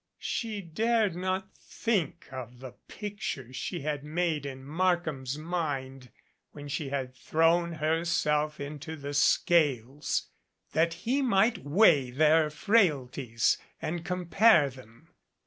She dared not think of the picture she had made in Markham's mind when she had thrown herself into the scales that he might weigh their frailties and compare them.